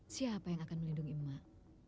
siapa yang akan melindungi emak emak